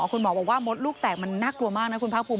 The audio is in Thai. คุณหมอบอกว่ามดลูกแตกมันน่ากลัวมากนะคุณภาคภูมิ